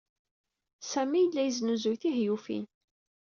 Sami yella yesnuzuy tihyufin.